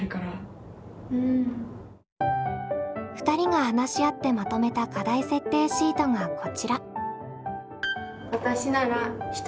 ２人が話し合ってまとめた課題設定シートがこちら。